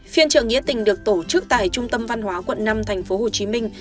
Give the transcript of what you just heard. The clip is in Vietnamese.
phiên trợ nghĩa tình được tổ chức tại trung tâm văn hóa quận năm thành phố hồ chí minh